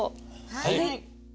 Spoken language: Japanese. はい。